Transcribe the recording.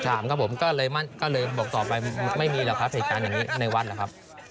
ถามครับผมก็เลยบอกต่อไปไม่มีแบบนี้ในวัดหรือครับ